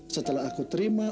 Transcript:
setelah aku terima uang itu